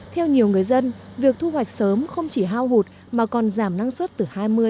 theo nhiều người dân việc thu hoạch sớm không chỉ hao hụt mà còn giảm năng suất từ hai mươi